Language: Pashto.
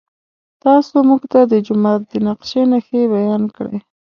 تاسو موږ ته د جومات د نقشې نښې بیان کړئ.